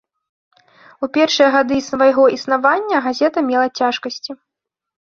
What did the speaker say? У першыя гады свайго існавання газета мела цяжкасці.